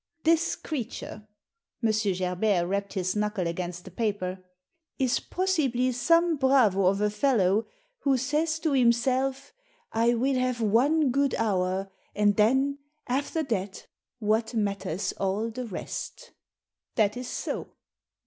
This creature "— M. Gerbert rapped his knuckle against the paper —" is possibly some bravo of a fellow who says to him self, * I will have one good hour, and then, after that — what matters all the rest !' That is so